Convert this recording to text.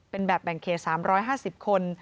เป็นแบบแบ่งเขต๓๕๐คน